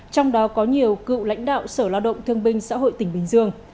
trong đó có nhiều cựu lãnh đạo sở lao động thương binh xã hội tỉnh bình dương